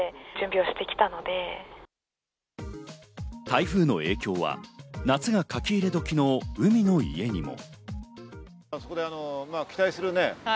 台風の影響は夏がかき入れ時の海の家にも。